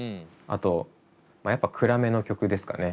あとやっぱ暗めの曲ですかね。